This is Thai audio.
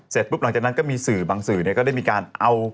เสร็จปุ๊บหลังจากนั้นก็มีสื่อบางสื่อก็ได้มีการเอา